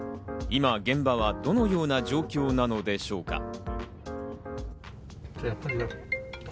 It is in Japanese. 今、現場はどのような状況なのでしょうか。